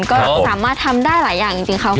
ก็สามารถทำได้หลายอย่างจริงค่ะ